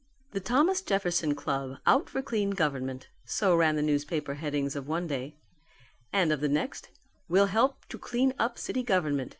"The Thomas Jefferson Club Out for Clean Government," so ran the newspaper headings of one day; and of the next, "Will help to clean up City Government.